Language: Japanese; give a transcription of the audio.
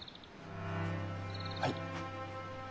はい？